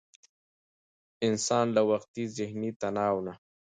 انسان له د وقتي ذهني تناو نه